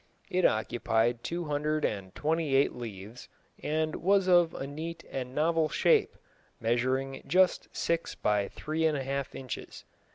It occupied two hundred and twenty eight leaves, and was of a neat and novel shape, measuring just six by three and a half inches.